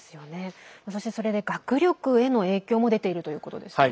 それで学力への影響も出ているということでしたね。